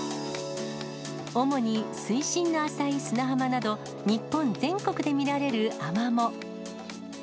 主に水深の浅い砂浜など、日本全国で見られるアマモ。